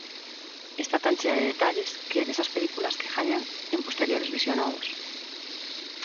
Está tan chea de detalles que é desas películas que gañan en posteriores visionados.